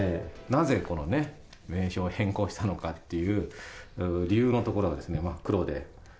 なぜ、このね、名称を変更したのかっていう理由の所がですね、真っ黒で。